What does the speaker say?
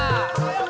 terima kasih komandan